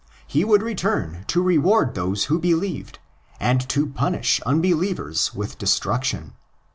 He would return to reward those who believed, and to punish unbelievers with destruction.